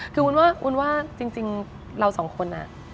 คืออุ้นว่าจริงเราสองคนอ่ะ